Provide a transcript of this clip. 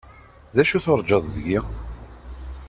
D acu turǧaḍ deg-i?